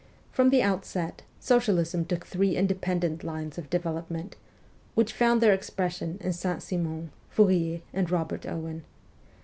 From the outset socialism took three independent lines of development, which found their expression in Saint Simon, Fourier, and Kobert Owen.